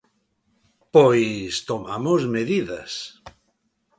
Pois tomamos medidas.